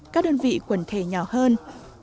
các đơn vị quần thể nhỏ hơn